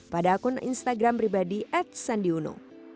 pada akun instagram pribadi at sandi uno